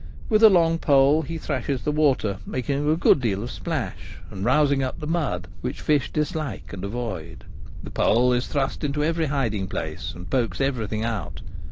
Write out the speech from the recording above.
With a long pole he thrashes the water, making a good deal of splash, and rousing up the mud, which fish dislike and avoid. The pole is thrust into every hiding place, and pokes everything out.